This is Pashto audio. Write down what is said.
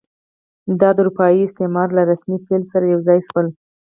دا د اروپایي استعمار له رسمي پیل سره یو ځای شول.